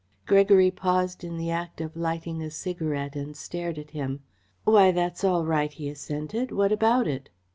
Gregory paused in the act of lighting a cigarette and stared at him. "Why, that's all right," he assented. "What about it?"